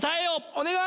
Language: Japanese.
お願い！